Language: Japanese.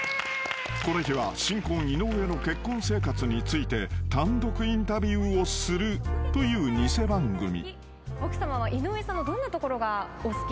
［この日は新婚井上の結婚生活について単独インタビューをするという偽番組］